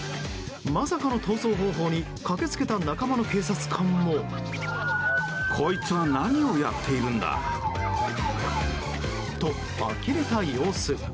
まさかの逃走方法に駆け付けた仲間の警察官も。と、あきれた様子。